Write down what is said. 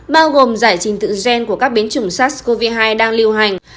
bao gồm giải trình tự gen của các biến chủng sars cov hai đang lưu hành